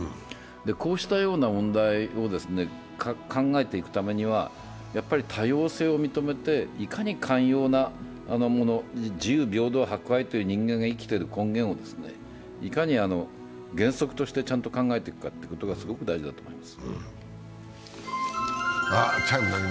こうしたような問題を考えていくためには、多様性を認めて、いかに寛容なもの自由・平等・博愛という人間が生きている根源をいかに原則としてちゃんと考えていくかがすごく大事だと思います。